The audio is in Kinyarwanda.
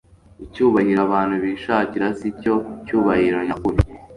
icyubahiro abantu bishakira si cyo cyubahiro nyakuri